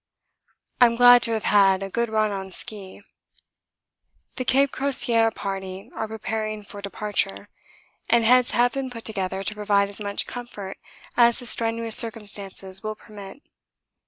I'm glad to have had a good run on ski. The Cape Crozier party are preparing for departure, and heads have been put together to provide as much comfort as the strenuous circumstances will permit.